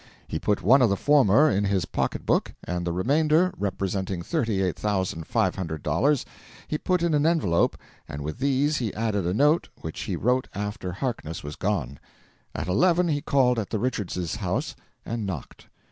He put one of the former in his pocket book, and the remainder, representing $38,500, he put in an envelope, and with these he added a note which he wrote after Harkness was gone. At eleven he called at the Richards' house and knocked.